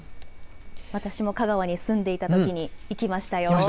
私も香川に住んでいたときに行きましたよ。